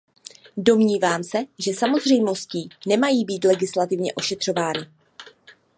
Domnívám se, že samozřejmosti nemají být legislativně ošetřovány.